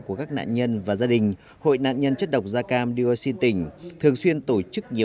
của các nạn nhân và gia đình hội nạn nhân chất độc da cam dioxin tỉnh thường xuyên tổ chức nhiều